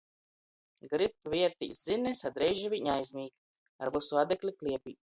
Grib vērtīs zinis, a dreiži viņ aizmīg. Ar vysu adekli kliepī.